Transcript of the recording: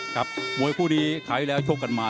ครับมวยผู้ดีขายแล้วชกกันมา